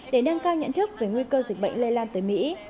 để nâng cao nhận thức về nguy cơ dịch bệnh lây lan tới mỹ